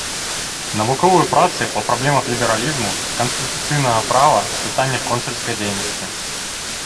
Навуковыя працы па праблемах лібералізму, канстытуцыйнага права, пытаннях консульскай дзейнасці.